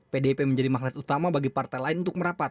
pdip menjadi magnet utama bagi partai lain untuk merapat